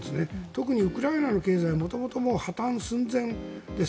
特にウクライナの経済は元々破たん寸前です。